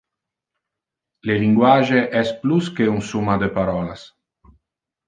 Le linguage es plus que un summa de parolas.